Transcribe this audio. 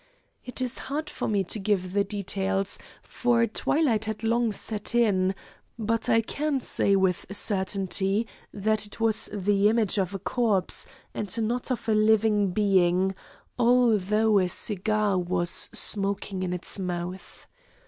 It is hard for me to give the details, for twilight had long set in, but I can say with certainty that it was the image of a corpse, and not of a living being, although a cigar was smoking in its mouth.